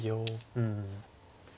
うん。